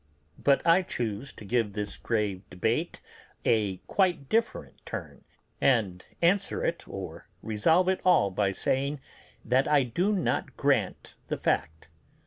But I choose to give this grave debate a quite different turn, and answer it or resolve it all by saying that I do not grant the fact.